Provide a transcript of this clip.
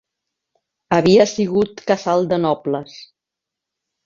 Havia sigut casal de nobles